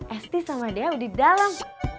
esti sama deau di dalam